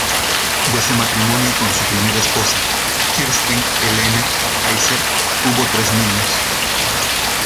De su matrimonio con su primera esposa, Kirsten Helene Kaiser, hubo tres niños.